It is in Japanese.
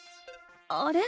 あれ？